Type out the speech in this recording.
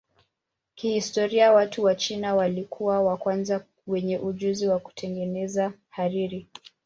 Kihistoria watu wa China walikuwa wa kwanza wenye ujuzi wa kutengeneza hariri.